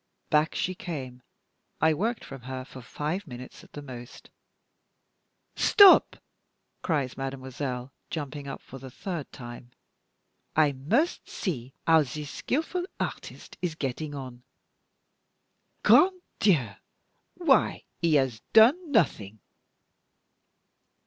Back she came. I worked from her for five minutes at the most. "Stop!" cries mademoiselle, jumping up for the third time; "I must see how this skillful artist is getting on. Grand Dieu! why he has done nothing!"